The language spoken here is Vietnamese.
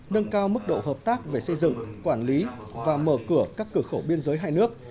nâng cao mức độ hợp tác về xây dựng quản lý và mở cửa các cửa khẩu biên giới hai nước